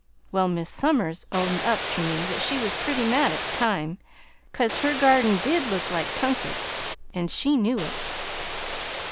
"Well, Mis' Somers owned up ter me that she was pretty mad at the time, 'cause her garden did look like tunket, an' she knew it.